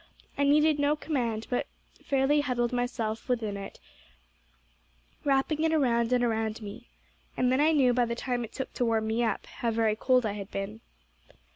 I needed no command, but fairly huddled myself within it, wrapping it around and around me. And then I knew by the time it took to warm me up, how very cold I had been.